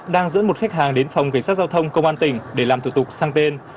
đang dẫn một khách hàng đến phòng cảnh sát giao thông công an tỉnh để làm thủ tục sang tên